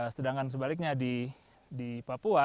sedangkan sebaliknya di papua